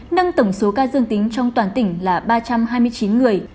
nâng tổng số ca dương tính trong toàn tỉnh là ba trăm hai mươi chín người